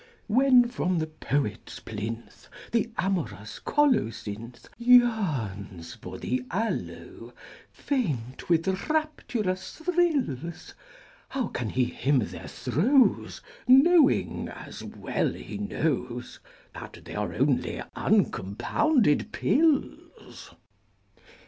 When from the poet's plinth The amorous colocynth Yearns for the aloe, faint with rapturous thrills, How can he hymn their throes Knowing, as well he knows, That they are only uncompounded pills?